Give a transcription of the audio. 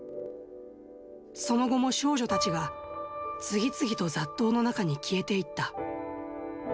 その後も少女たちが次々と雑踏の中に消えていった。